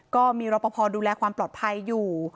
ก็มีรับประพอดูแลความปลอดภัยอยู่